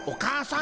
ん？